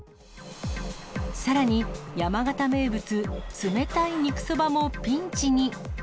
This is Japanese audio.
さらに、山形名物、冷たい肉そばもピンチに。